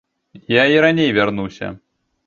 Я і раней вярнуся!